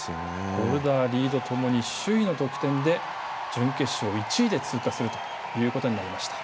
ボルダー、リードともに首位の得点で準決勝１位で通過するということになりました。